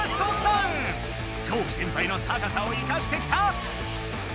ゴウキ先輩の高さを生かしてきた！